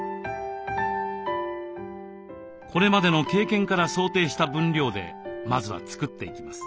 これまでの経験から想定した分量でまずは作っていきます。